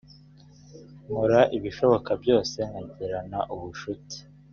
nkora ibishoboka byose nkagirana ubucuti